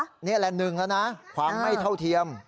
นี่แหละหนึ่งแล้วนะความไม่เท่าเทียม